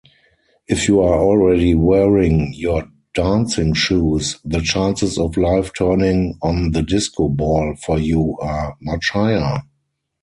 If you are already wearing your dancing shoes, the chances of life turning on the disco ball for you are much higher.